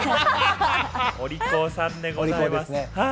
お利口さんでございます。